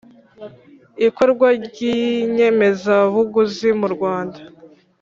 ikorwa ry inyemezabuguzi mu Rwanda